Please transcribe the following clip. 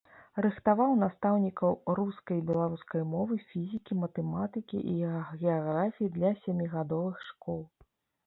Рыхтаваў настаўнікаў рускай і беларускай мовы, фізікі, матэматыкі і геаграфіі для сямігадовых школ.